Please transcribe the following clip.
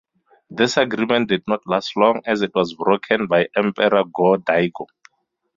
This agreement did not last long, as it was broken by Emperor Go-Daigo.